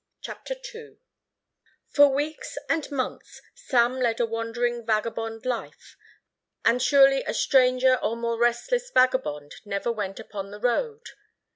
CHAPTER II For weeks and months Sam led a wandering vagabond life, and surely a stranger or more restless vagabond never went upon the road.